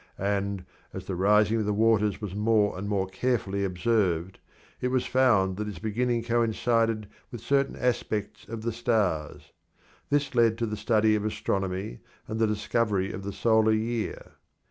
And, as the rising of the waters was more and more carefully observed, it was found that its beginning coincided with certain aspects of the stars. This led to the study of astronomy and the discovery of the solar year.